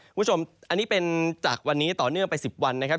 คุณผู้ชมอันนี้เป็นจากวันนี้ต่อเนื่องไป๑๐วันนะครับ